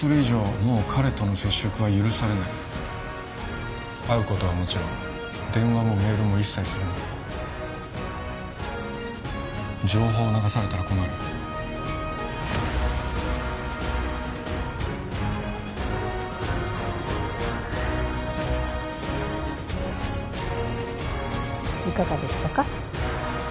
もう彼との接触は許されない会うことはもちろん電話もメールも一切するな情報を流されたら困るいかがでしたか？